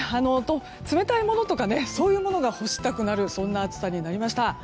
冷たいものとかそういうものを欲したくなるような暑さになりました。